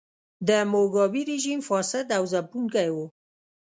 د موګابي رژیم فاسد او ځپونکی و.